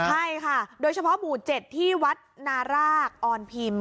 ใช่ค่ะโดยเฉพาะหมู่๗ที่วัดนารากออนพิมพ์